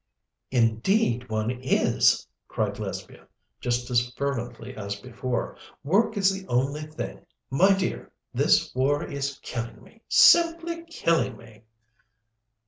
"Indeed one is!" cried Lesbia, just as fervently as before. "Work is the only thing. My dear, this war is killing me simply killing me!"